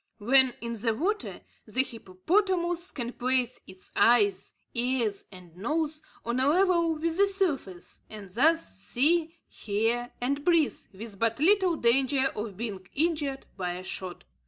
When in the water, the hippopotamus can place its eyes, ears, and nose on a level with the surface, and thus see, hear, and breathe, with but little danger of being injured by a shot.